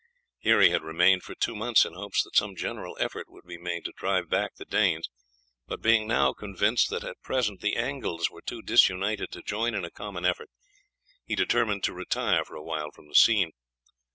Here he had remained for two months in hopes that some general effort would be made to drive back the Danes; but being now convinced that at present the Angles were too disunited to join in a common effort, he determined to retire for a while from the scene.